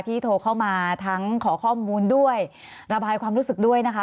โทรเข้ามาทั้งขอข้อมูลด้วยระบายความรู้สึกด้วยนะคะ